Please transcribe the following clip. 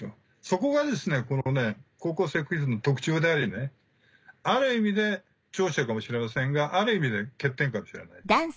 そこがこの『高校生クイズ』の特徴でありある意味で長所かもしれませんがある意味で欠点かもしれないという。